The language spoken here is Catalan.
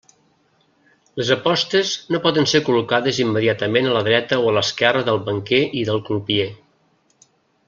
Les apostes no poden ser col·locades immediatament a la dreta o a l'esquerra del banquer i del crupier.